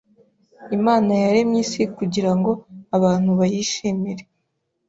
Imana yaremye isi kugira ngo abantu bayishimire